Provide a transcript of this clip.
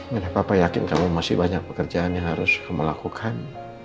mereka yakin kamu masih banyak pekerjaan yang harus kamu lakukan